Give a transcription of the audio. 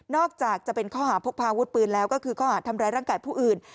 อกจากจะเป็นข้อหาพกพาวุฒิปืนแล้วก็คือข้อหาทำร้ายร่างกายผู้อื่น